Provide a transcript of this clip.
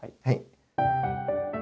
はい。